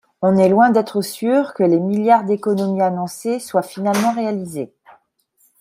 on est loin d’être sûrs que les milliards d’économies annoncés soient finalement réalisés.